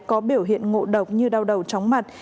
có biểu hiện ngộ độc như đau đầu chóng mặt